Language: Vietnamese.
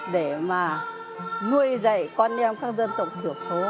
để mà nuôi dạy con em các dân tộc thiểu số